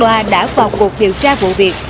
công an huyện đắk loa đã vào cuộc điều tra vụ việc